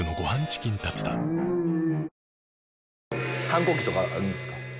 反抗期とかあるんですか？